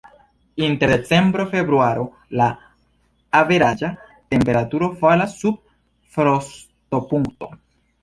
Inter decembro-februaro la averaĝa temperaturo falas sub frostopunkto.